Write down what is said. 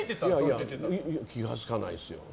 気が付かないですよ。